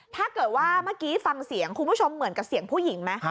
ถ้าเกิดว่าเมื่อกี้ฟังเสียงคุณผู้ชมเหมือนกับเสียงผู้หญิงไหม